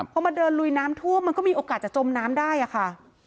พอมาเดินลุยน้ำท่วมมันก็มีโอกาสจะจมน้ำได้อะค่ะ